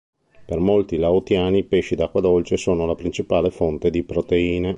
Per molti laotiani, i pesci d'acqua dolce sono la principale fonte di proteine.